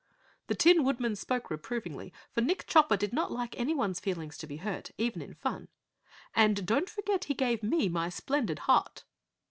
The Tin Woodman spoke reprovingly, for Nick Chopper did not like anyone's feelings to be hurt, even in fun. "And don't forget he gave me my splendid heart!"